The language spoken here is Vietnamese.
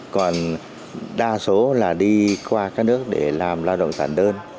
còn đa số là đi qua các nước để làm lao động sản đơn